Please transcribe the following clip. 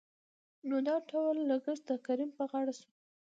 نو دا ټول لګښت دکريم په غاړه شو.